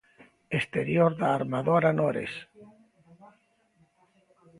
Exterior da armadora Nores.